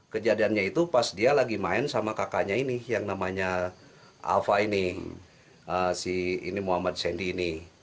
kejadiannya itu pas dia lagi main sama kakaknya ini yang namanya alpha ini si ini muhammad sandy ini